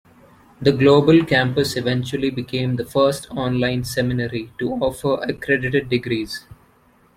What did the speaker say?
The global campus eventually became the first online seminary to offer accredited degrees.